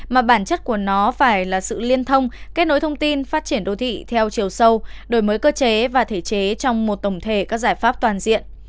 mà bản chất của nó phải là sự liên thông kết nối thông tin phát triển đô thị theo chiều sâu đổi mới cơ chế và thể chế trong một tổng thể các giải pháp toàn diện